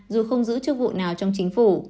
dù không giữ chức vụ nào trong chính phủ